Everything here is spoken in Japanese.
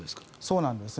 そうなんです。